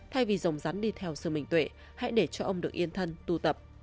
thay vì dòng rắn đi theo sư minh tuệ hãy để cho ông được yên thân tu tập